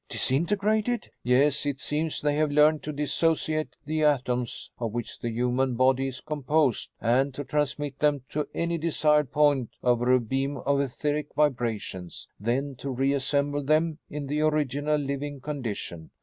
"Disintegrated?" "Yes. It seems they have learned to dissociate the atoms of which the human body is composed and to transmit them to any desired point over a beam of etheric vibrations, then to reassemble them in the original living condition."